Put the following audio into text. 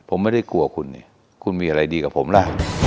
ผมไม่ได้กลัวคุณเนี่ยคุณมีอะไรดีกับผมล่ะ